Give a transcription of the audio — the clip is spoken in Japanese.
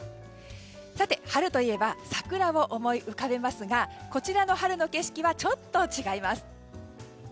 さて、春といえば桜を思い浮かべますがこちらの春の景色はちょっと違います。